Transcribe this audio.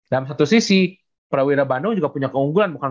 dalam satu sisi prawira bandung juga punya keunggulan